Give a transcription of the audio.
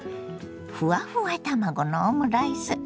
ふわふわ卵のオムライス